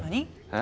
え？